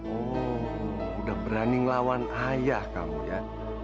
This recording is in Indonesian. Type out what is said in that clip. oh udah berani ngelawan ayah kamu ya